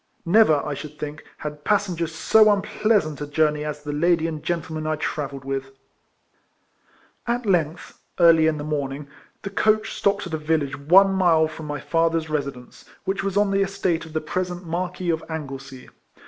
Never, I should think, had passengers so unpleasant a jour ney as the lady and gentleman I travelled with. At length, early in the morning, the coach stopped at a village one mile from my father's residence, which was on the estate of the present Marquis of Anglesey.